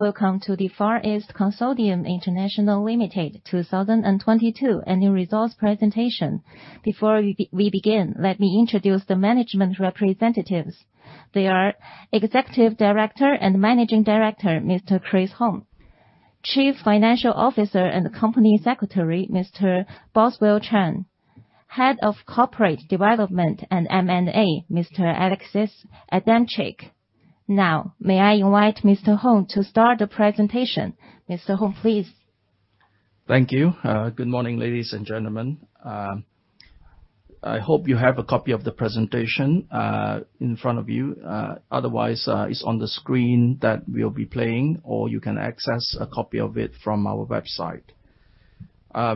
Welcome to the Far East Consortium International Limited 2022 annual results presentation. Before we begin, let me introduce the management representatives. They are Executive Director and Managing Director, Mr. Cheong Thard Hoong. Chief Financial Officer and Company Secretary, Mr. Wai Hung Boswell Cheung. Head of Corporate Development and M&A, Mr. Alexis Adamczyk. Now, may I invite Mr. Cheong Thard Hoong to start the presentation. Mr. Cheong Thard Hoong, please. Thank you. Good morning, ladies and gentlemen. I hope you have a copy of the presentation in front of you. Otherwise, it's on the screen that we'll be playing, or you can access a copy of it from our website.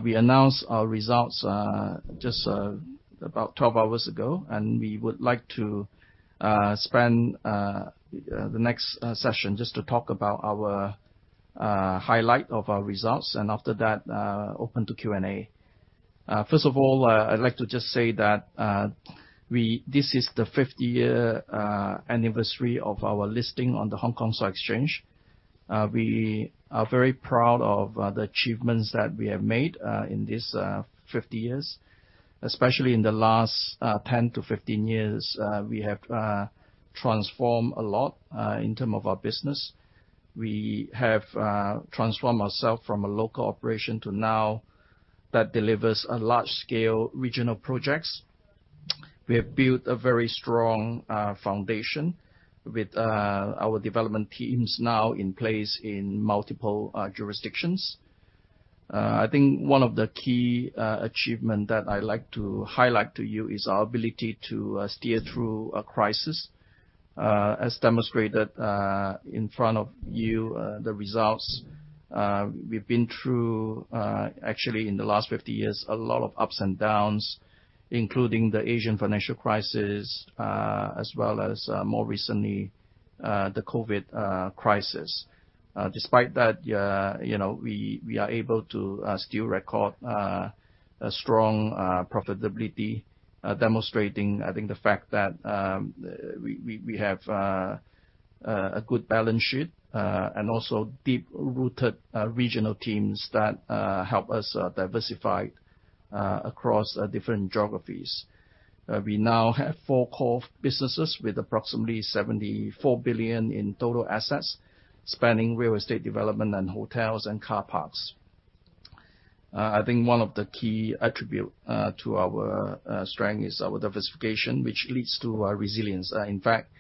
We announced our results just about 12 hours ago, and we would like to spend the next session just to talk about our highlights of our results and after that, open to Q&A. First of all, I'd like to just say that this is the 50-year anniversary of our listing on the Hong Kong Stock Exchange. We are very proud of the achievements that we have made in these 50 years, especially in the last 10–15 years. We have transformed a lot in terms of our business. We have transformed ourselves from a local operation to one that delivers large-scale regional projects. We have built a very strong foundation with our development teams now in place in multiple jurisdictions. I think one of the key achievement that I like to highlight to you is our ability to steer through a crisis, as demonstrated in front of you, the results. We've been through, actually in the last 50 years, a lot of ups and downs, including the Asian financial crisis, as well as more recently, the COVID-19 crisis. Despite that, you know, we are able to still record a strong profitability, demonstrating, I think, the fact that we have a good balance sheet and also deep-rooted regional teams that help us diversify across different geographies. We now have four core businesses with approximately 74 billion in total assets, spanning real estate development and hotels and car parks. I think one of the key attribute to our strength is our diversification, which leads to our resilience. In fact,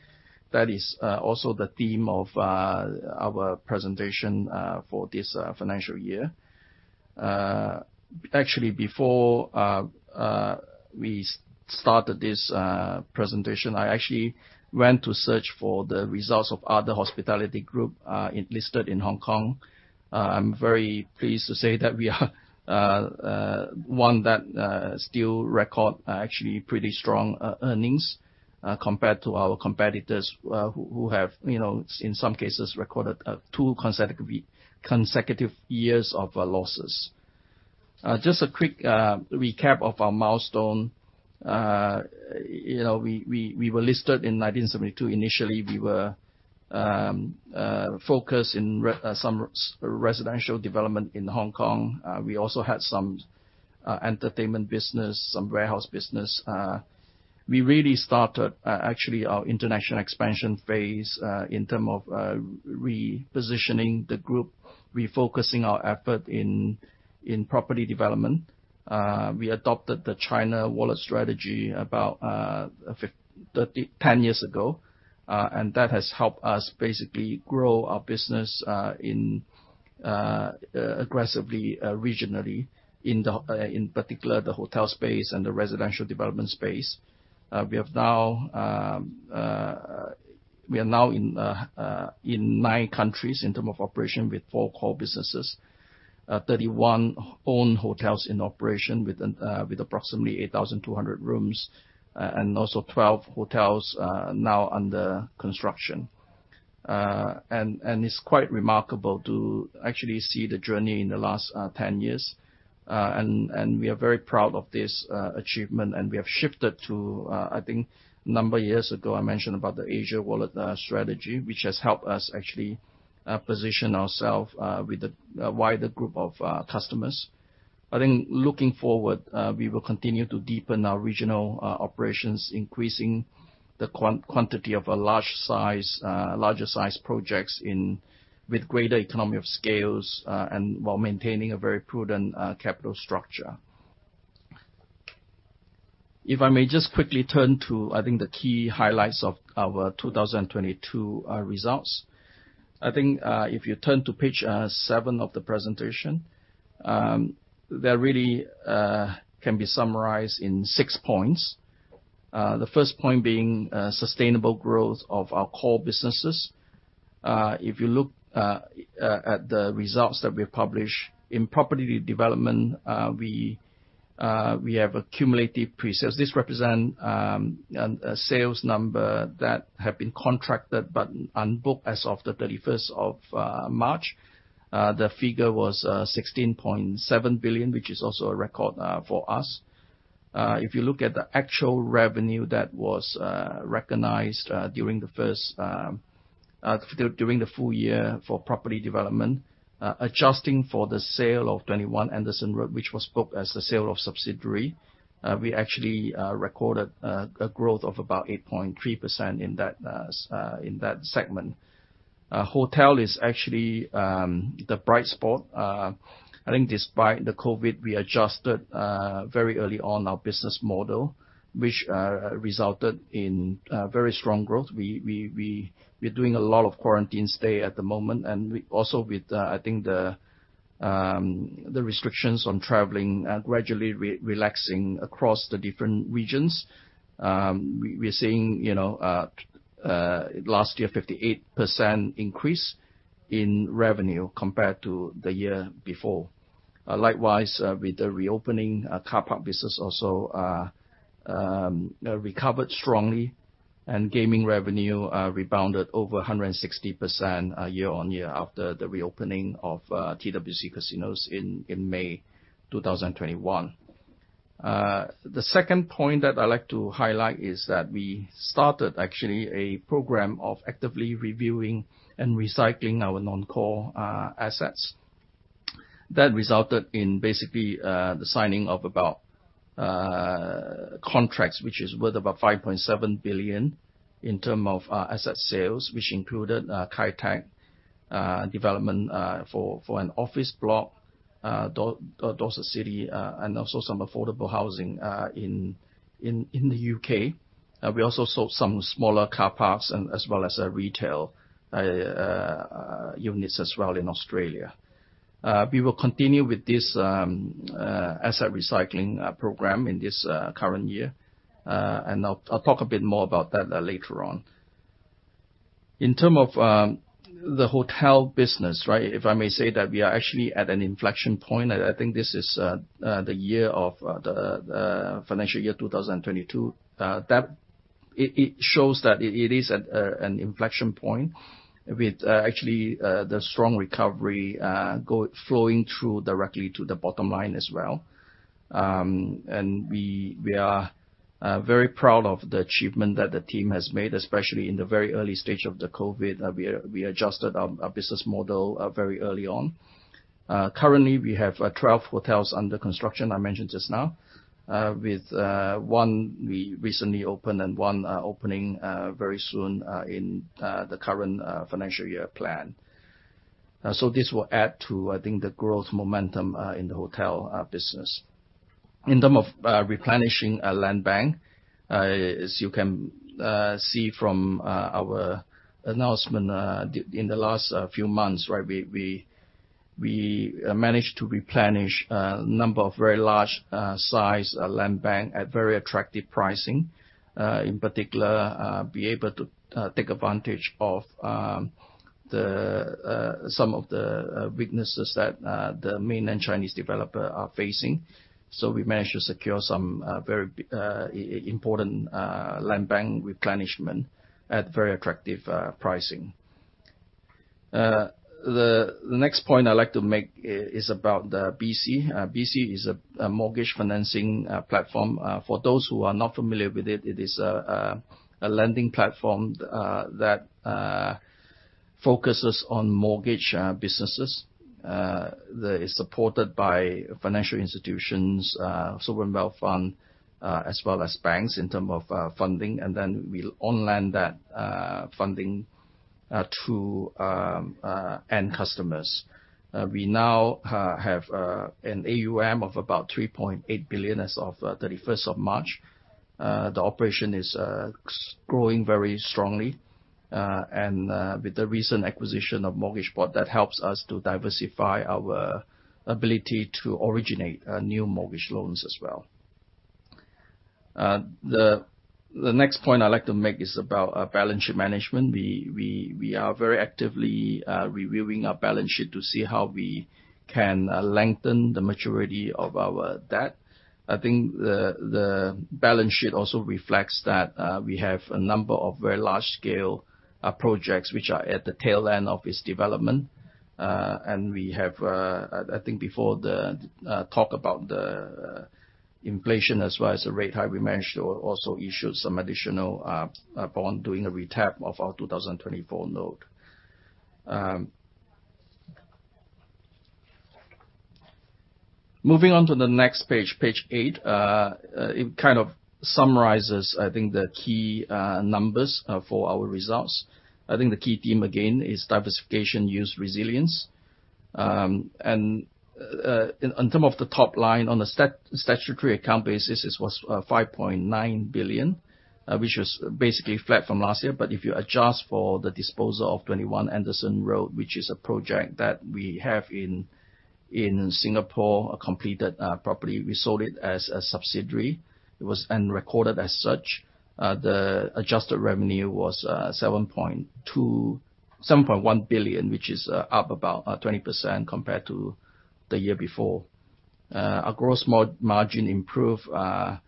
that is also the theme of our presentation for this financial year. Actually before we started this presentation, I actually went to search for the results of other hospitality group listed in Hong Kong. I'm very pleased to say that we are one that still record actually pretty strong earnings compared to our competitors who you know in some cases recorded two consecutive years of losses. Just a quick recap of our milestone. You know we were listed in 1972. Initially we were focused in some residential development in Hong Kong. We also had some entertainment business some warehouse business. We really started actually our international expansion phase in term of repositioning the group refocusing our effort in property development. We adopted the China Wallet strategy about 10 years ago, and that has helped us basically grow our business aggressively regionally, in particular, the hotel space and the residential development space. We are now in 9 countries in terms of operation with four core businesses. 31 owned hotels in operation with approximately 8,200 rooms, and also 12 hotels now under construction. It's quite remarkable to actually see the journey in the last 10 years. We are very proud of this achievement, and we have shifted to. I think a number of years ago, I mentioned about the Asian Wallet strategy which has helped us actually position ourselves with the wider group of customers. I think looking forward, we will continue to deepen our regional operations, increasing the quantity of larger size projects with greater economies of scale, and while maintaining a very prudent capital structure. If I may just quickly turn to the key highlights of our 2022 results. I think if you turn to page 7 of the presentation, that really can be summarized in six points. The first point being sustainable growth of our core businesses. If you look at the results that we published in property development, we have accumulated pre-sales. This represent a sales number that have been contracted but unbooked as of the thirty-first of March. The figure was 16.7 billion, which is also a record for us. If you look at the actual revenue that was recognized during the full year for property development, adjusting for the sale of 21 Anderson Road, which was booked as the sale of subsidiary, we actually recorded a growth of about 8.3% in that segment. Hotel is actually the bright spot. I think despite the COVID-19, we adjusted very early on our business model, which resulted in very strong growth. We're doing a lot of quarantine stay at the moment, and with the restrictions on traveling gradually relaxing across the different regions. We're seeing, you know, last year, 58% increase in revenue compared to the year before. Likewise, with the reopening, car park business also recovered strongly, and gaming revenue rebounded over 160%, year-on-year after the reopening of TWC casinos in May 2021. The second point that I'd like to highlight is that we started actually a program of actively reviewing and recycling our non-core assets. That resulted in basically the signing of about contracts which is worth about 5.7 billion in terms of asset sales, which included Kai Tak development for an office block, Dorsett City, and also some affordable housing in the UK. We also sold some smaller car parks and as well as retail units as well in Australia. We will continue with this asset recycling program in this current year. I'll talk a bit more about that later on. In terms of the hotel business, right? If I may say that we are actually at an inflection point. I think this is the financial year 2022 that it shows that it is at an inflection point with actually the strong recovery flowing through directly to the bottom line as well. We are very proud of the achievement that the team has made, especially in the very early stage of the COVID-19. We adjusted our business model very early on. Currently, we have 12 hotels under construction, I mentioned just now, with one we recently opened and one opening very soon in the current financial year plan. This will add to, I think, the growth momentum in the hotel business. In terms of replenishing a land bank, as you can see from our announcement, in the last few months, right? We managed to replenish a number of very large size land bank at very attractive pricing. In particular, be able to take advantage of some of the weaknesses that the mainland Chinese developer are facing. We managed to secure some very important land bank replenishment at very attractive pricing. The next point I'd like to make is about the BC. BC is a mortgage financing platform. For those who are not familiar with it is a lending platform that focuses on mortgage businesses. That is supported by financial institutions, sovereign wealth fund, as well as banks in term of funding. Then we'll on-lend that funding to end customers. We now have an AUM of about 3.8 billion as of 31st March. The operation is growing very strongly. With the recent acquisition of Mortgageport, that helps us to diversify our ability to originate new mortgage loans as well. The next point I'd like to make is about our balance sheet management. We are very actively reviewing our balance sheet to see how we can lengthen the maturity of our debt. I think the balance sheet also reflects that we have a number of very large scale projects which are at the tail end of its development. We have I think before the talk about the inflation as well as the rate hike, we managed to also issue some additional bond doing a re-tap of our 2024 note. Moving on to the next page 8, it kind of summarizes, I think, the key numbers for our results. I think the key theme again is diversification yields resilience. In terms of the top line on a statutory account basis, this was 5.9 billion, which was basically flat from last year. If you adjust for the disposal of 21 Anderson Road, which is a project that we have in Singapore, a completed property, we sold it as a subsidiary. It was then recorded as such. The adjusted revenue was seven point one billion, which is up about 20% compared to the year before. Our gross margin improved from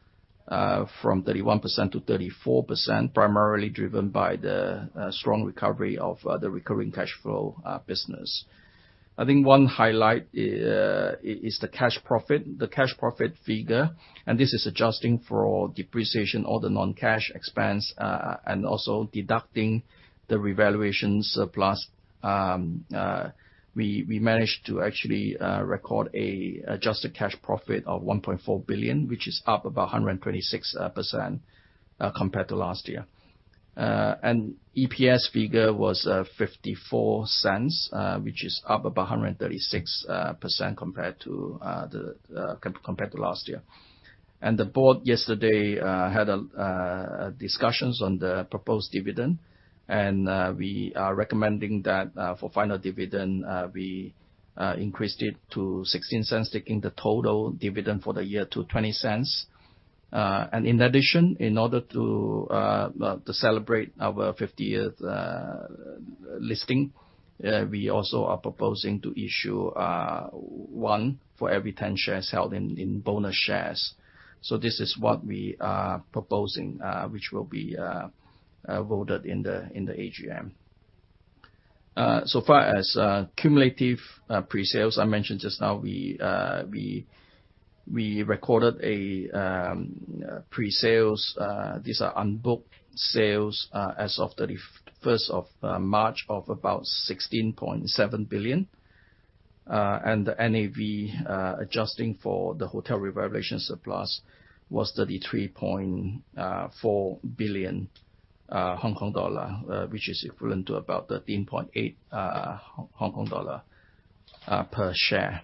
31% to 34%, primarily driven by the strong recovery of the recurring cash flow business. I think one highlight is the cash profit figure. This is adjusting for depreciation, all the non-cash expense, and also deducting the revaluation surplus. We managed to actually record an adjusted cash profit of 1.4 billion, which is up about 126% compared to last year. EPS figure was 0.54, which is up about 136% compared to last year. The board yesterday had discussions on the proposed dividend, and we are recommending that for final dividend we increased it to 0.16, taking the total dividend for the year to 0.20. In addition, in order to celebrate our 50th listing, we also are proposing to issue one for every 10 shares held in bonus shares. This is what we are proposing, which will be voted in the AGM. As far as cumulative presales, I mentioned just now we recorded presales, these are unbooked sales, as of 31st of March, of about 16.7 billion. The NAV, adjusting for the hotel revaluation surplus was HKD 33.4 billion, which is equivalent to about 13.8 Hong Kong dollar per share.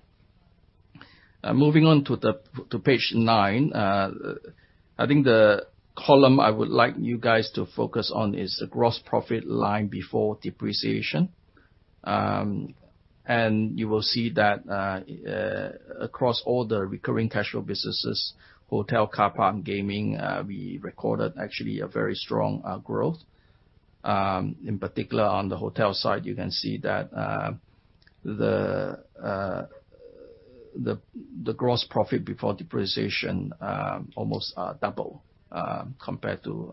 Moving on to page nine. I think the column I would like you guys to focus on is the gross profit line before depreciation. You will see that across all the recurring cash flow businesses, hotel, car park, gaming, we recorded actually a very strong growth. In particular on the hotel side, you can see that the gross profit before depreciation almost double compared to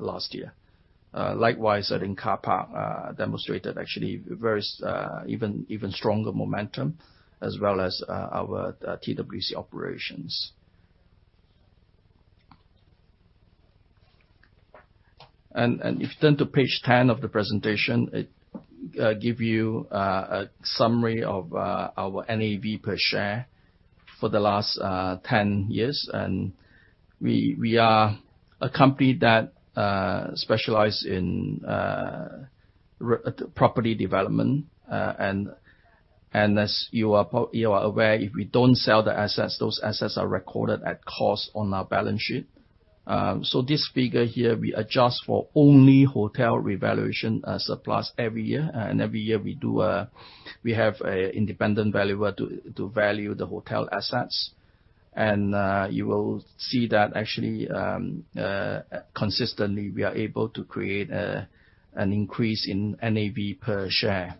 last year. Likewise, I think car park demonstrated actually very even stronger momentum as well as our TWC operations. If you turn to page 10 of the presentation, it give you a summary of our NAV per share for the last 10 years. We are a company that specialize in property development. As you are aware, if we don't sell the assets, those assets are recorded at cost on our balance sheet. This figure here, we adjust for only hotel revaluation surplus every year. Every year we have an independent valuer to value the hotel assets. You will see that actually, consistently, we are able to create an increase in NAV per share.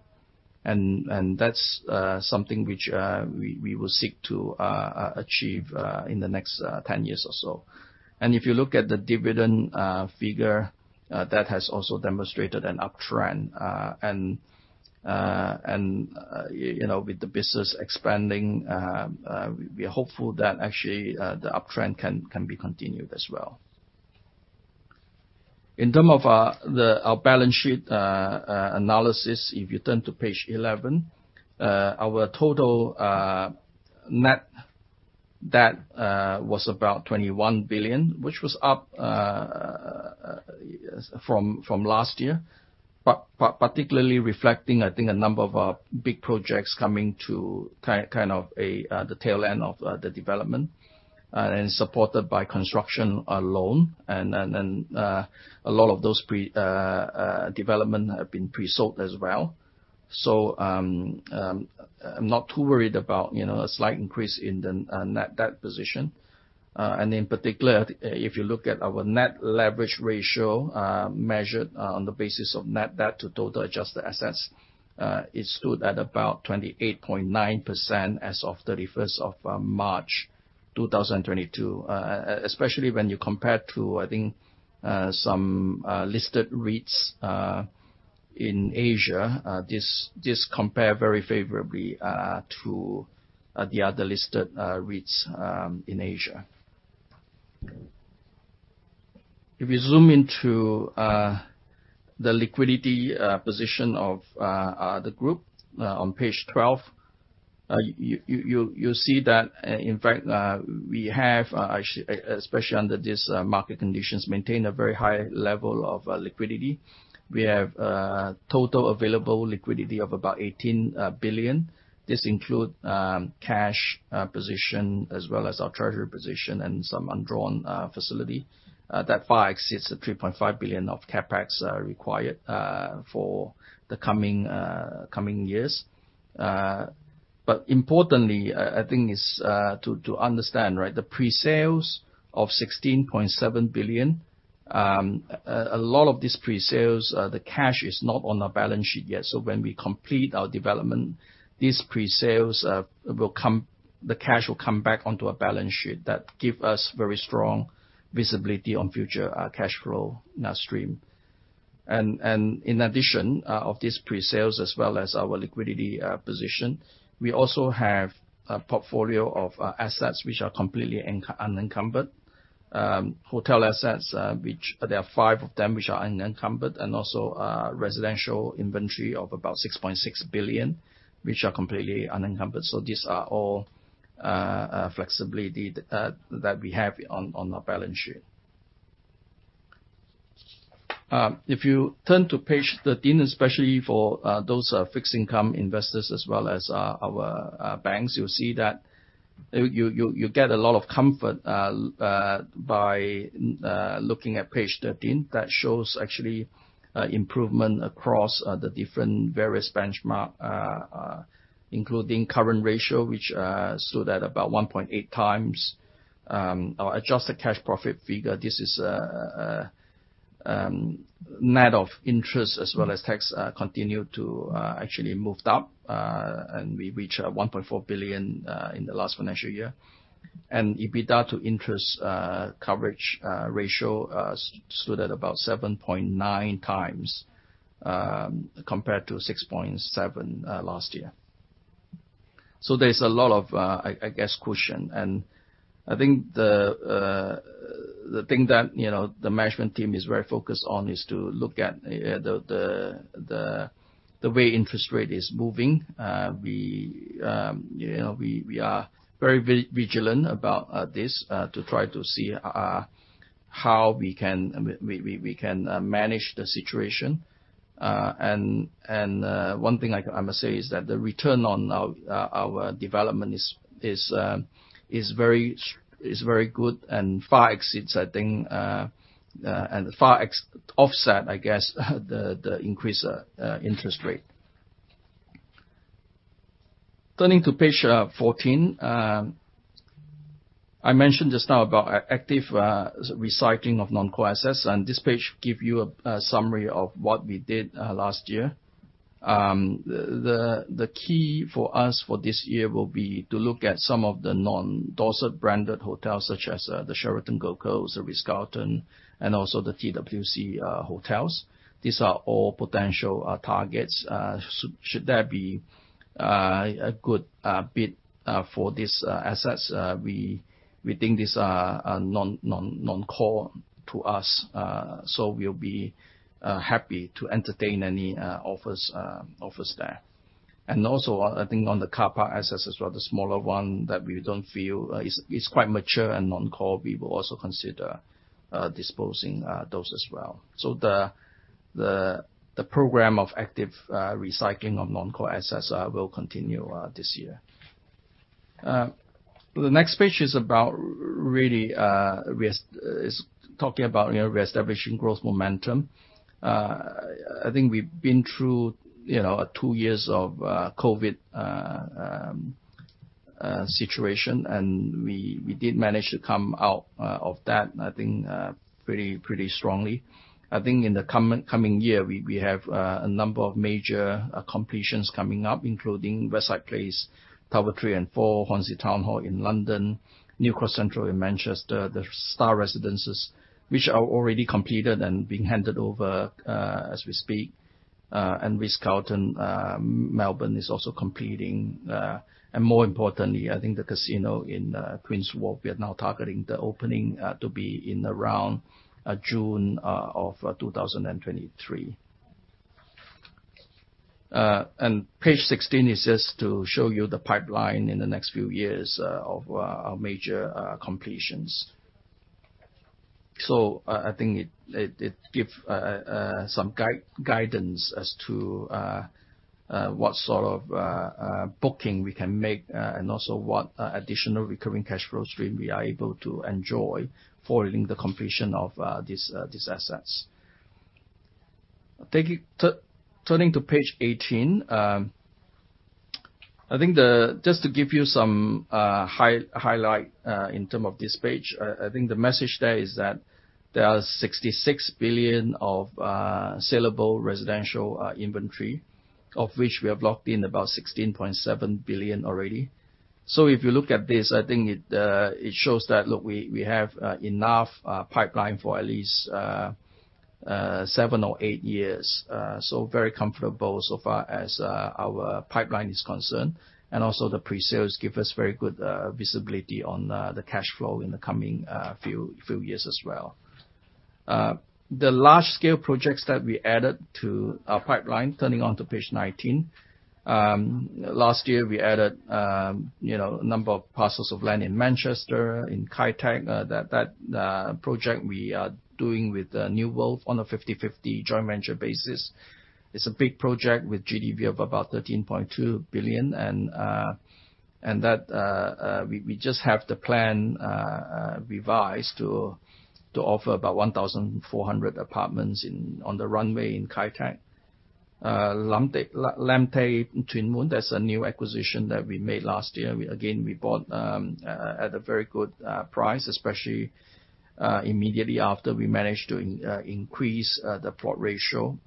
That's something which we will seek to achieve in the next 10 years or so. If you look at the dividend figure, that has also demonstrated an uptrend. You know, with the business expanding, we're hopeful that actually, the uptrend can be continued as well. In terms of our balance sheet analysis, if you turn to page 11, our total net debt was about 21 billion, which was up from last year. Particularly reflecting, I think a number of our big projects coming to kind of a the tail end of the development and supported by construction loans. A lot of those pre-development have been presold as well. I'm not too worried about, you know, a slight increase in the net debt position. In particular, if you look at our net leverage ratio, measured on the basis of net debt to total adjusted assets, it stood at about 28.9% as of 31 March 2022. Especially when you compare to, I think, some listed REITs in Asia. This compares very favorably to the other listed REITs in Asia. If you zoom into the liquidity position of the Group on page 12, you'll see that in fact we have actually especially under this market conditions maintained a very high level of liquidity. We have total available liquidity of about 18 billion. This include cash position as well as our treasury position and some undrawn facility that far exceeds the 3.5 billion of CapEx required for the coming years. Importantly, I think is to understand, right? The pre-sales of 16.7 billion, a lot of these pre-sales, the cash is not on our balance sheet yet. So when we complete our development, these pre-sales, the cash will come back onto our balance sheet. That gives us very strong visibility on future cash flow stream. In addition to these pre-sales as well as our liquidity position, we also have a portfolio of assets which are completely unencumbered. Hotel assets, which there are five of them which are unencumbered, and also residential inventory of about 6.6 billion, which are completely unencumbered. These are all flexibility that we have on our balance sheet. If you turn to page 13, especially for those fixed income investors as well as our banks, you'll see that you get a lot of comfort by looking at page 13 that shows actually improvement across the different various benchmarks, including current ratio, which stood at about 1.8 times. Our adjusted cash profit figure, this is net of interest as well as tax, continue to actually moved up. We reach 1.4 billion in the last financial year. EBITDA to interest coverage ratio stood at about 7.9 times, compared to 6.7 last year. There's a lot of, I guess, cushion. I think the thing that, you know, the management team is very focused on is to look at the way interest rate is moving. We, you know, are very vigilant about this to try to see how we can manage the situation. One thing I must say is that the return on our development is very good and far exceeds, I think, and far offsets, I guess, the increased interest rate. Turning to page 14, I mentioned just now about our active recycling of non-core assets, and this page gives you a summary of what we did last year. The key for us for this year will be to look at some of the non-Dorsett branded hotels such as the Sheraton Grand Hotel, the Ritz-Carlton, and also the TWC hotels. These are all potential targets. Should there be a good bid for these assets, we think these are non-core to us. We'll be happy to entertain any offers there. I think on the car park assets as well, the smaller one that we don't feel is quite mature and non-core, we will also consider disposing those as well. The program of active recycling of non-core assets will continue this year. The next page is about really, you know, reestablishing growth momentum. I think we've been through, you know, two years of COVID-19 situation, and we did manage to come out of that, I think, pretty strongly. I think in the coming year, we have a number of major completions coming up, including Westside Place, Tower 3 and 4, Hornsey Town Hall in London, New Cross Central in Manchester. The Star Residences, which are already completed and being handed over as we speak. The Ritz-Carlton, Melbourne is also completing. More importantly, I think the casino in Queen's Wharf, we are now targeting the opening to be in around June of 2023. Page 16 is just to show you the pipeline in the next few years of our major completions. I think it gives some guidance as to what sort of booking we can make and also what additional recurring cash flow stream we are able to enjoy following the completion of these assets. Turning to page 18, I think. Just to give you some highlight in terms of this page, I think the message there is that there are 66 billion of sellable residential inventory, of which we have locked in about 16.7 billion already. If you look at this, I think it shows that, look, we have enough pipeline for at least seven or eight years. We are very comfortable so far as our pipeline is concerned. The pre-sales give us very good visibility on the cash flow in the coming few years as well. The large scale projects that we added to our pipeline, turning to page 19. Last year we added, you know, a number of parcels of land in Manchester, in Kai Tak. That project we are doing with New World on a 50/50 joint venture basis. It's a big project with GDV of about 13.2 billion. We just have the plan revised to offer about 1,400 apartments on the runway in Kai Tak. Lam Tei, Tuen Mun, that's a new acquisition that we made last year. We again bought at a very good price, especially immediately after we managed to increase the plot ratio,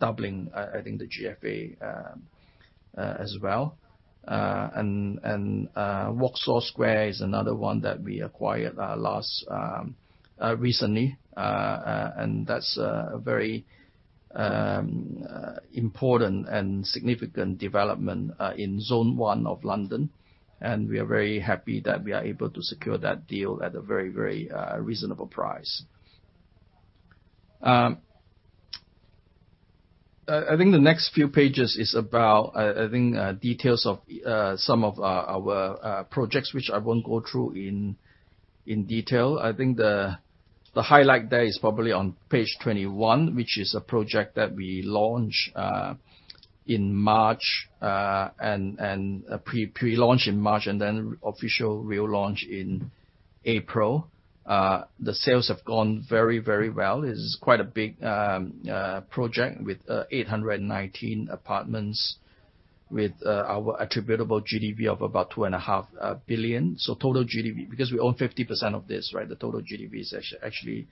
doubling, I think, the GFA as well. Vauxhall Square is another one that we acquired recently. That's a very important and significant development in Zone 1 of London. We are very happy that we are able to secure that deal at a very reasonable price. I think the next few pages is about details of some of our projects, which I won't go through in detail. I think the highlight there is probably on page 21, which is a project that we launched in March and pre-launch in March and then official real launch in April. The sales have gone very well. It's quite a big project with 819 apartments with our attributable GDV of about 2.5 billion. So total GDV, because we own 50% of this, right? The total GDV is actually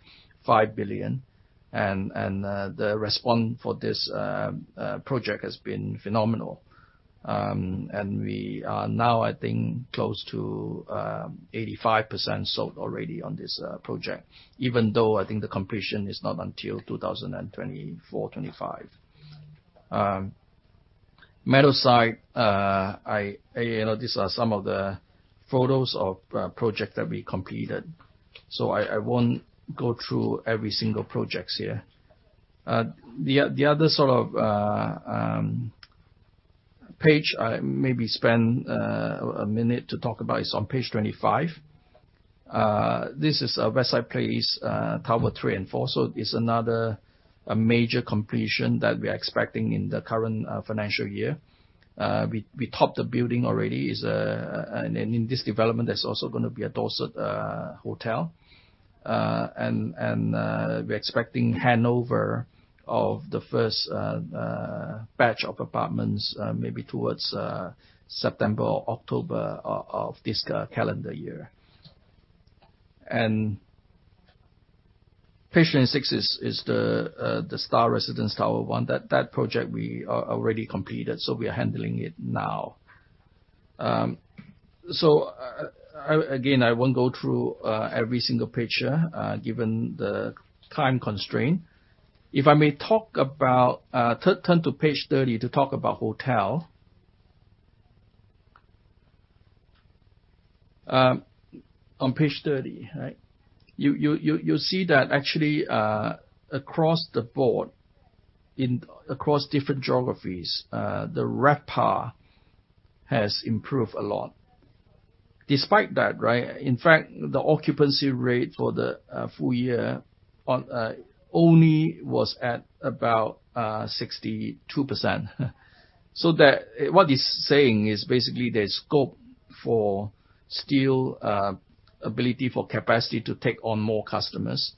5 billion. The response for this project has been phenomenal. We are now, I think, close to 85% sold already on this project, even though I think the completion is not until 2024-2025. MeadowSide, you know, these are some of the photos of a project that we completed. I won't go through every single projects here. The other sort of page I maybe spend a minute to talk about is on page 25. This is our Westside Place Tower 3 and 4. It's another major completion that we're expecting in the current financial year. We topped the building already. It's, and in this development, there's also gonna be a Dorsett hotel. We're expecting handover of the first batch of apartments, maybe towards September or October of this calendar year. Page 26 is the Star Residence Tower 1. That project we have already completed, so we are handing it over now. Again, I won't go through every single picture given the time constraint. If I may, turn to page 30 to talk about hotel. On page 30, right? You'll see that actually, across the board, across different geographies, the RevPAR has improved a lot. Despite that, right, in fact, the occupancy rate for the full year was only at about 62%. What it's saying is basically there's scope for still ability for capacity to take on more customers.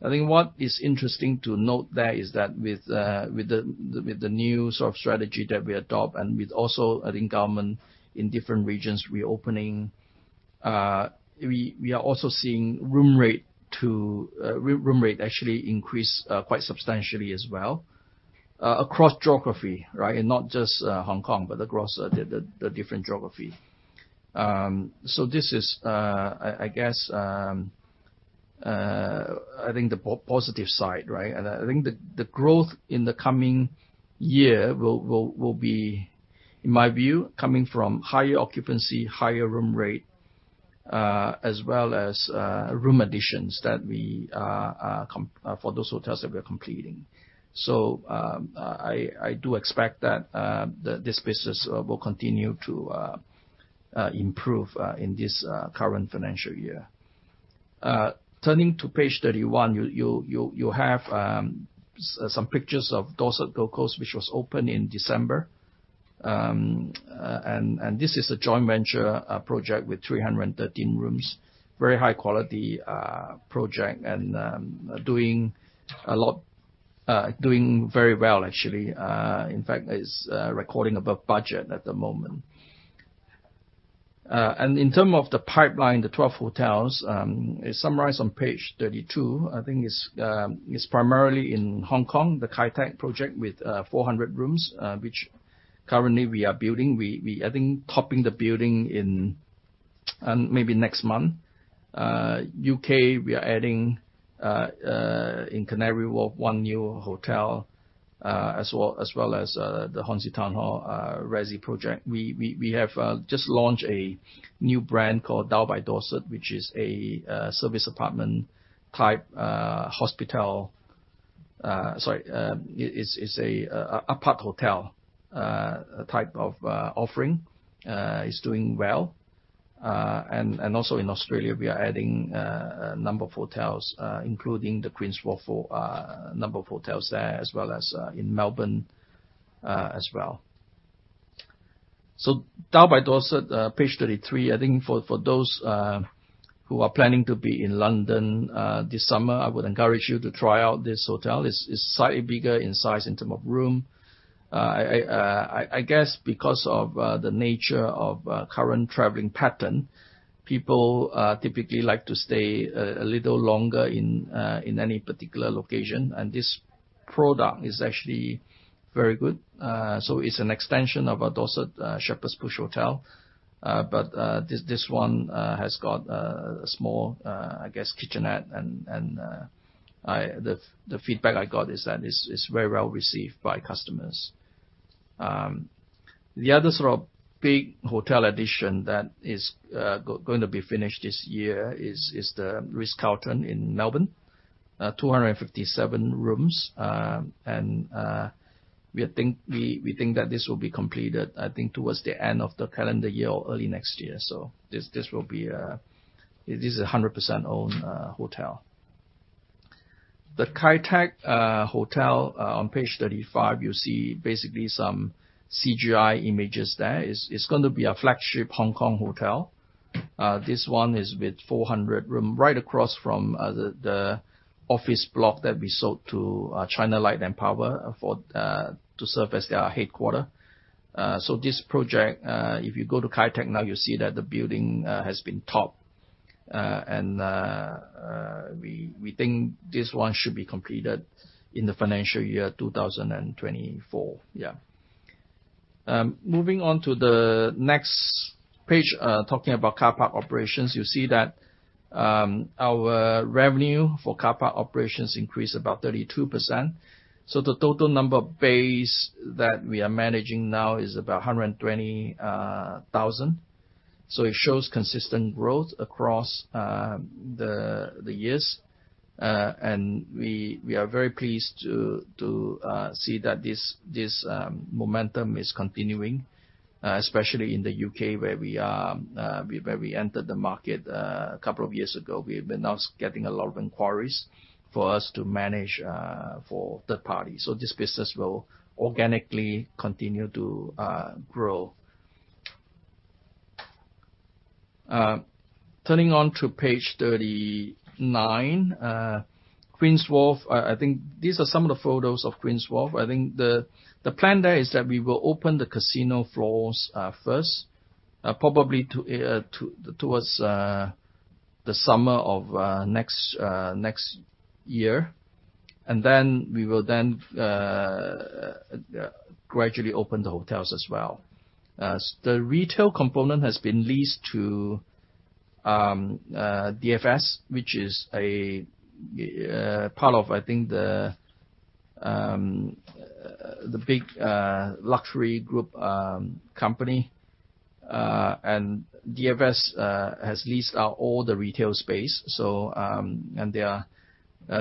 I think what is interesting to note there is that with the new sort of strategy that we adopt and with also, I think, government in different regions reopening, we are also seeing room rate actually increase quite substantially as well across geography, right? Not just Hong Kong, but across the different geography. This is, I guess, I think the positive side, right? I think the growth in the coming year will be, in my view, coming from higher occupancy, higher room rate, as well as room additions for those hotels that we are completing. I do expect that this business will continue to improve in this current financial year. Turning to page 31, you'll have some pictures of Dorsett Gold Coast, which was opened in December. This is a joint venture project with 313 rooms. Very high quality project and doing very well actually. In fact, it's recording above budget at the moment. In terms of the pipeline, the 12 hotels is summarized on page 32. I think it's primarily in Hong Kong, the Kai Tak project with 400-rooms, which currently we are building. I think topping the building in maybe next month. UK, we are adding in Canary Wharf one new hotel as well as the Hornsey Town Hall resi project. We have just launched a new brand called Dao by Dorsett, which is a service apartment type hospitality. Sorry, it's a apart hotel type of offering. It's doing well. Also in Australia, we are adding a number of hotels including the Queen's Wharf number of hotels there as well as in Melbourne. Dao by Dorsett, page 33, I think for those who are planning to be in London this summer, I would encourage you to try out this hotel. It's slightly bigger in size in term of room. I guess because of the nature of current traveling pattern, people typically like to stay a little longer in any particular location, and this product is actually very good. It's an extension of our Dorsett Shepherd's Bush hotel. This one has got a small, I guess, kitchenette. The feedback I got is that it's very well-received by customers. The other sort of big hotel addition that is going to be finished this year is the Ritz-Carlton in Melbourne, 257 rooms. We think that this will be completed, I think, towards the end of the calendar year or early next year. This will be. This is 100% owned hotel. The Kai Tak hotel on page 35, you see basically some CGI images there. It's gonna be our flagship Hong Kong hotel. This one is with 400 room right across from the office block that we sold to China Light & Power to serve as their headquarters. This project, if you go to Kai Tak now, you'll see that the building has been topped. We think this one should be completed in the financial year 2024. Moving on to the next page, talking about car park operations. You see that our revenue for car park operations increased about 32%. The total number of bays that we are managing now is about 120,000. It shows consistent growth across the years. We are very pleased to see that this momentum is continuing, especially in the UK where we entered the market a couple of years ago. We've been getting a lot of inquiries for us to manage for third parties. This business will organically continue to grow. Turning to page 39, Queen's Wharf, I think these are some of the photos of Queen's Wharf. I think the plan there is that we will open the casino floors first, probably towards the summer of next year. We will gradually open the hotels as well. The retail component has been leased to DFS, which is a part of, I think, the big luxury group company. DFS has leased out all the retail space, so they are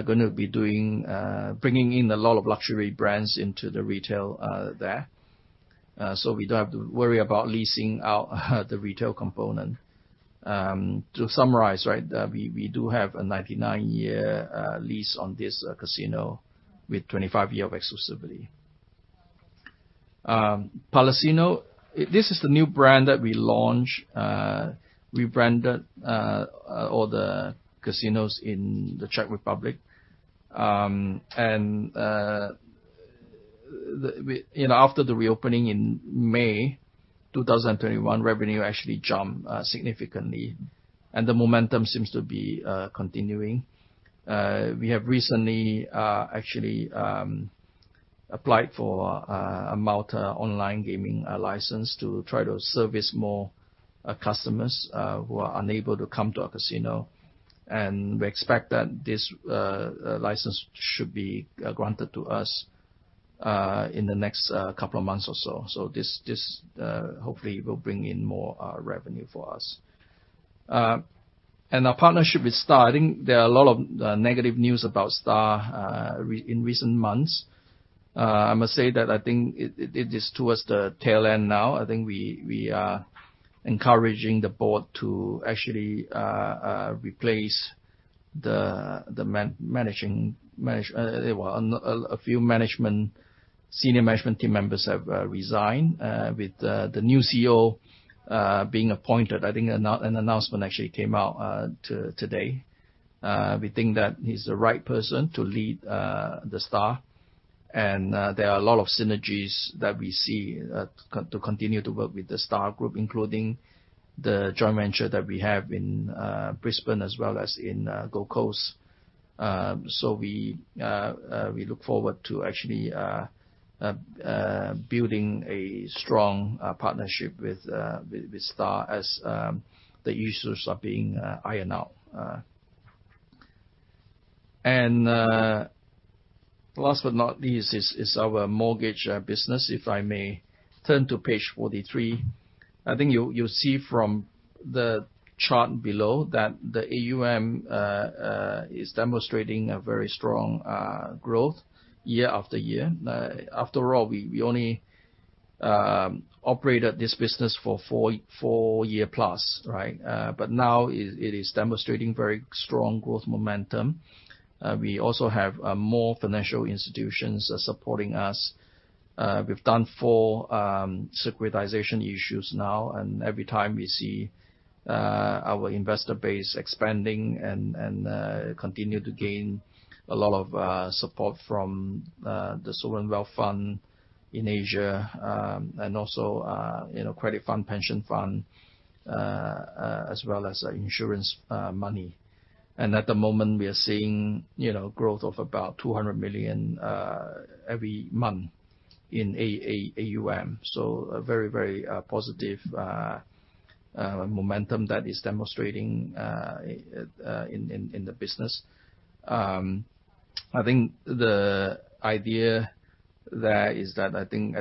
gonna be bringing in a lot of luxury brands into the retail there. We don't have to worry about leasing out the retail component. To summarize, right? We do have a 99-year lease on this casino with 25-year of exclusivity. Palasino, this is the new brand that we launched. We rebranded all the casinos in the Czech Republic. You know, after the reopening in May 2021, revenue actually jumped significantly, and the momentum seems to be continuing. We have recently actually applied for a Malta online gaming license to try to service more customers who are unable to come to our casino. We expect that this license should be granted to us in the next couple of months or so. This hopefully will bring in more revenue for us. Our partnership with Star, I think there are a lot of negative news about Star in recent months. I must say that I think it is towards the tail end now. I think we are encouraging the board to actually replace the managing. Well, a few senior management team members have resigned with the new CEO being appointed. I think an announcement actually came out today. We think that he's the right person to lead The Star. There are a lot of synergies that we see to continue to work with The Star group, including the joint venture that we have in Brisbane as well as in Gold Coast. We look forward to actually building a strong partnership with Star as the issues are being ironed out. Last but not least is our mortgage business. If I may turn to page 43. I think you'll see from the chart below that the AUM is demonstrating a very strong growth year after year. After all, we only operated this business for four year plus, right? Now it is demonstrating very strong growth momentum. We also have more financial institutions supporting us. We've done four securitization issues now, and every time we see our investor base expanding and continue to gain a lot of support from the sovereign wealth fund in Asia. Also, you know, credit fund, pension fund, as well as insurance money. At the moment we are seeing, you know, growth of about 200 million every month in AUM. A very positive momentum that is demonstrating in the business. I think the idea there is that I think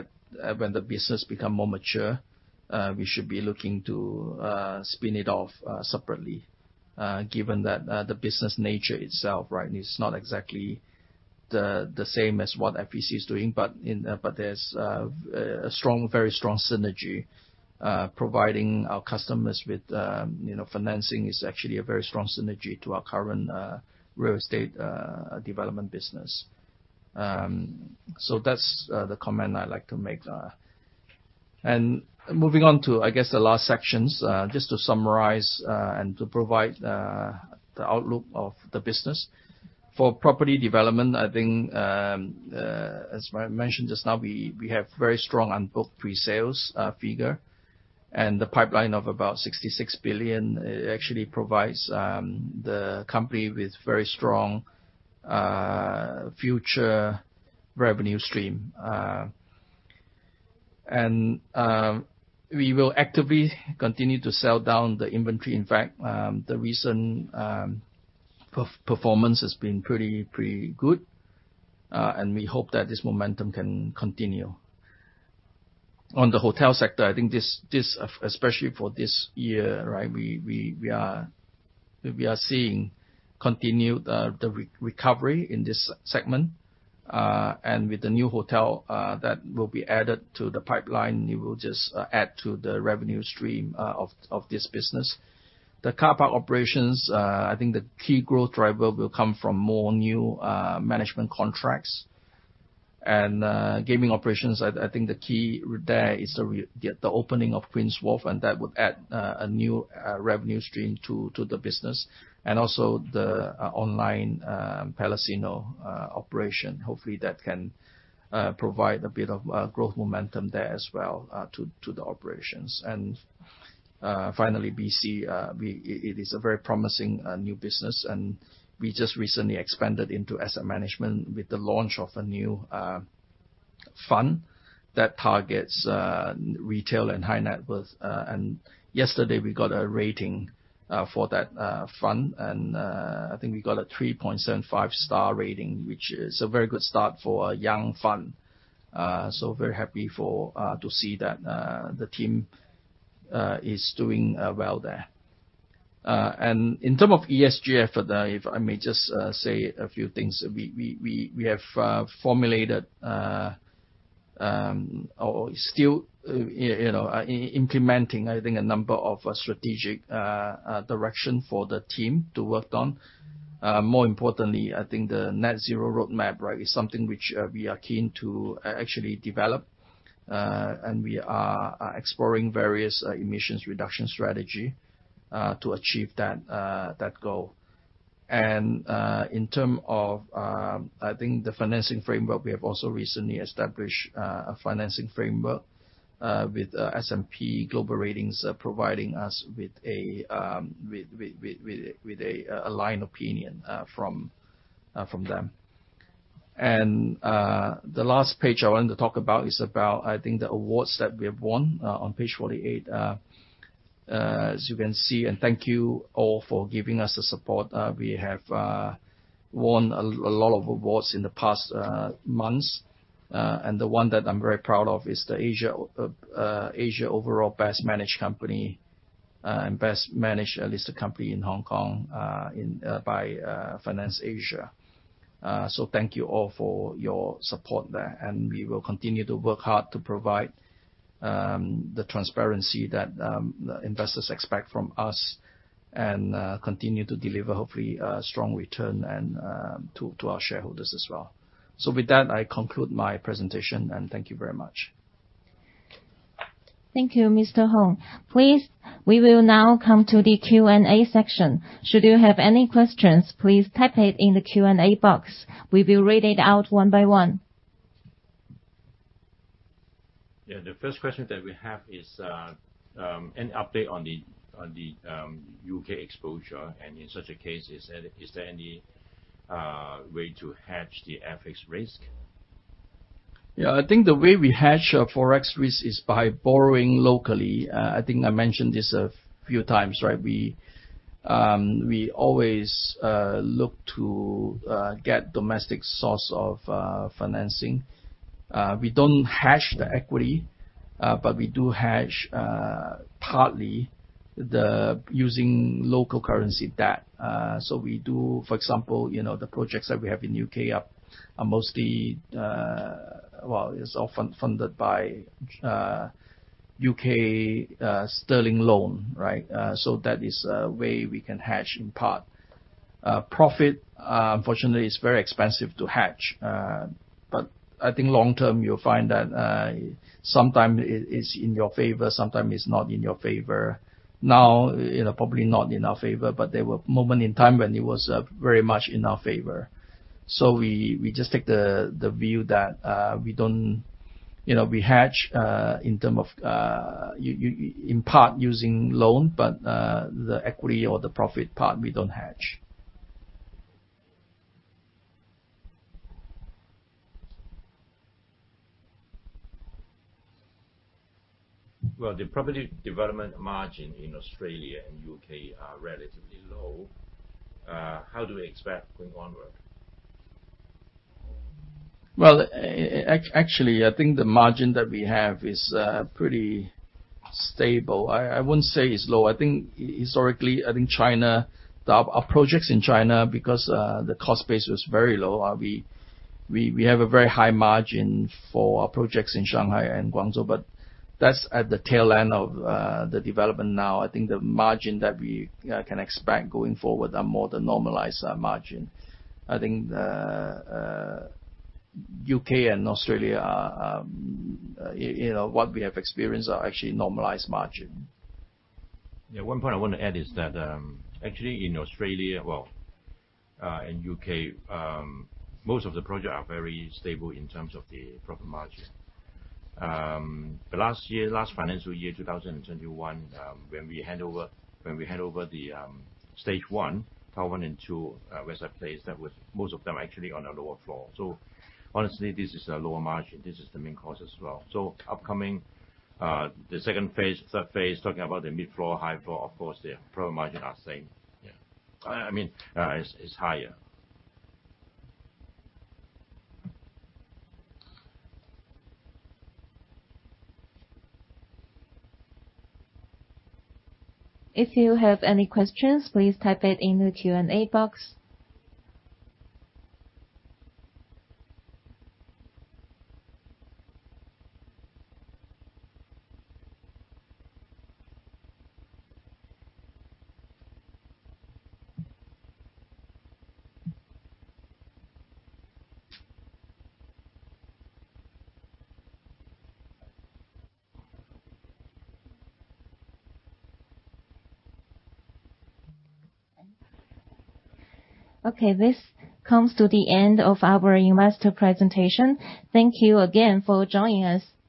when the business become more mature, we should be looking to spin it off separately, given that the business nature itself, right, is not exactly the same as what FEC is doing. There's a very strong synergy providing our customers with, you know, financing is actually a very strong synergy to our current real estate development business. That's the comment I'd like to make there. Moving on to, I guess, the last sections. Just to summarize and to provide the outlook of the business. For property development, I think, as I mentioned just now, we have very strong unbooked pre-sales figure. The pipeline of about 66 billion actually provides the company with very strong future revenue stream. We will actively continue to sell down the inventory. In fact, the recent performance has been pretty good, and we hope that this momentum can continue. On the hotel sector, I think this especially for this year, right, we are seeing continued recovery in this segment. With the new hotel that will be added to the pipeline, it will just add to the revenue stream of this business. The car park operations, I think the key growth driver will come from more new management contracts. Gaming operations, I think the key there is the opening of Queens Wharf, and that would add a new revenue stream to the business. Also the online Palasino operation. Hopefully, that can provide a bit of growth momentum there as well to the operations. Finally, BC, it is a very promising new business, and we just recently expanded into asset management with the launch of a new fund that targets retail and high net worth. Yesterday we got a rating for that fund and I think we got a 3.75-star rating, which is a very good start for a young fund. So very happy to see that the team is doing well there. In terms of ESG efforts, if I may just say a few things. We have formulated or still, you know, implementing, I think, a number of strategic directions for the team to work on. More importantly, I think the net-zero roadmap, right, is something which we are keen to actually develop. We are exploring various emissions reduction strategies to achieve that goal. In terms of the financing framework, we have also recently established a financing framework with S&P Global Ratings providing us with an opinion from them. The last page I want to talk about is about, I think, the awards that we have won on page 48. As you can see, and thank you all for giving us the support. We have won a lot of awards in the past months. The one that I'm very proud of is the Asia Overall Best Managed Company and Best Managed Listed Company in Hong Kong by FinanceAsia. Thank you all for your support there, and we will continue to work hard to provide the transparency that the investors expect from us and continue to deliver, hopefully, a strong return and to our shareholders as well. With that, I conclude my presentation, and thank you very much. Thank you, Mr. Hoong. Please, we will now come to the Q&A section. Should you have any questions, please type it in the Q&A box. We will read it out one by one. Yeah. The first question that we have is an update on the UK exposure. In such a case, is there any way to hedge the FX risk? Yeah. I think the way we hedge our forex risk is by borrowing locally. I think I mentioned this a few times, right? We always look to get domestic source of financing. We don't hedge the equity, but we do hedge partly by using local currency debt. We do, for example, you know, the projects that we have in U.K. are often funded by U.K. sterling loan, right? That is a way we can hedge in part. Profit, unfortunately, is very expensive to hedge. I think long term you'll find that, sometimes it is in your favor, sometimes it's not in your favor. Now, you know, probably not in our favor, but there were moments in time when it was very much in our favor. We just take the view that we don't. You know, we hedge in terms of in part using loan, but the equity or the profit part we don't hedge. Well, the property development margin in Australia and UK are relatively low. How do we expect going onward? Well, actually, I think the margin that we have is pretty stable. I wouldn't say it's low. I think historically, I think China, our projects in China, because the cost base was very low, we have a very high margin for our projects in Shanghai and Guangzhou. That's at the tail end of the development now. I think the margin that we can expect going forward are more the normalized margin. I think the U.K. and Australia are, you know, what we have experienced are actually normalized margin. Yeah. One point I wanna add is that, actually in Australia, well, in U.K., most of the project are very stable in terms of the profit margin. Last year, last financial year, 2021, when we hand over the stage one, tower one and two, West Side Place, that was most of them actually on a lower floor. Honestly, this is a lower margin. This is the main cause as well. Upcoming, the second phase, third phase, talking about the mid-floor, high floor, of course, the profit margin are same. Yeah. I mean, is higher. If you have any questions, please type it in the Q&A box. Okay, this comes to the end of our investor presentation. Thank you again for joining us.